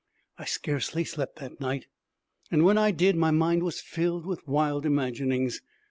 I scarcely slept that night; and when I did, my mind was filled with wild imaginings.